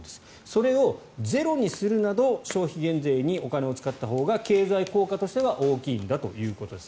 それをゼロにするなど消費減税にお金を使ったほうが経済効果としては大きいんだということです。